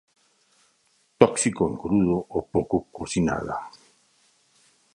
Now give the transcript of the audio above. Tóxico en crudo o poco cocinada.